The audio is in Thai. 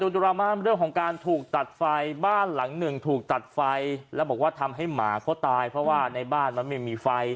ดราม่าเรื่องของการถูกตัดไฟบ้านหลังหนึ่งถูกตัดไฟแล้วบอกว่าทำให้หมาเขาตายเพราะว่าในบ้านมันไม่มีไฟ